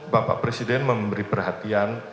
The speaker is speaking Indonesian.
bapak presiden memberi perhatian